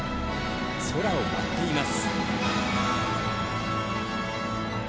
空を舞っています。